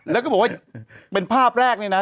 แล้วก็บอกว่าเป็นภาพแรกนี่นะ